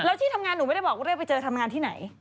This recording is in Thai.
แล้วที่ทำงานหนูไม่ได้บอกว่าเรียกไปเจอทำงานที่ไหน